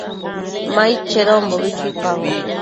Ma aid chedonbo chuipaboc